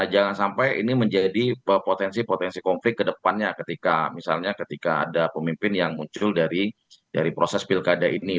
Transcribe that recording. jangan sampai ini menjadi potensi potensi konflik ke depannya ketika misalnya ketika ada pemimpin yang muncul dari proses pilkada ini